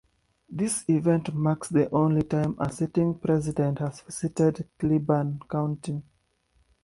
This event marks the only time a sitting president has visited Cleburne County.